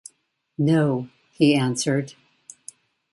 ‘No,’ he answered.